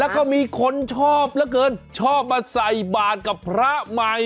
แล้วก็มีคนชอบเหลือเกินชอบมาใส่บาทกับพระใหม่